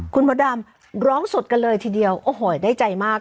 คุณพอดามร้องสดกันเลยทีเดียวได้ใจมาก